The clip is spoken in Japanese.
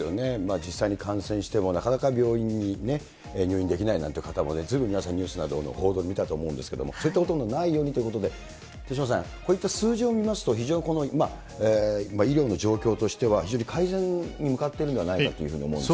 実際に感染してもなかなか病院に入院できないなんていう方も、ずいぶん皆さんニュースなどの報道見たと思うんですけど、そういったことのないようにということで、手嶋さん、こういった数字を見ますと非常に医療の状況としては、非常に改善に向かっているんではないかというふうに思うんです。